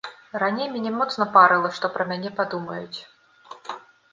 Раней мяне моцна парыла, што пра мяне падумаюць.